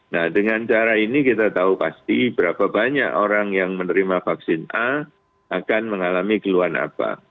nah dengan cara ini kita tahu pasti berapa banyak orang yang menerima vaksin a akan mengalami keluhan apa